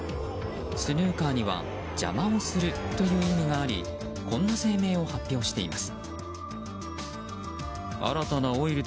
スヌーカーには邪魔をするという意味がありこんな声明を発表しています。